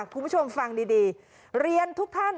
คุณผู้ชมฟังดีเรียนทุกท่าน